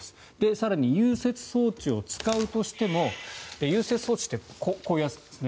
更に、融雪装置を使うとしても融雪装置ってこういうやつですね。